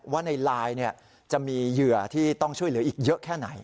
ว่าในไลน์จะมีเหยื่อที่ต้องช่วยเหลืออีกเยอะแค่ไหน